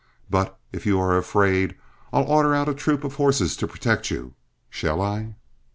But if you are afraid, I'll order out a troop of horse to protect you. Shall I?"